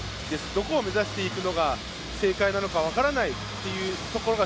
どこを目指していくのが正解なのか分からないってところが